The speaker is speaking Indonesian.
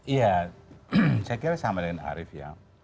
iya saya kira sama dengan arief ya